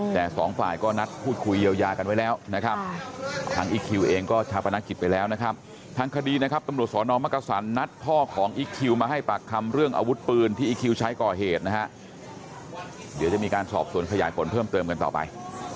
แต่สองฝ่ายก็นัดพูดคุยเยียวยากันไว้แล้วนะครับทางอีคคิวเองก็ชาปนักกิจไปแล้วนะครับทางคดีนะครับตำรวจสอนอมักกษันนัดพ่อของอีคคิวมาให้ปากคำเรื่องอาวุธปืนที่อีคิวใช้ก่อเหตุนะฮะเดี๋ยวจะมีการสอบสวนขยายผลเพิ่มเติมกันต่อไป